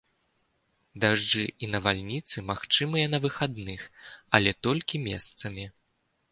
Дажджы і навальніцы магчымыя на выхадных, але толькі месцамі.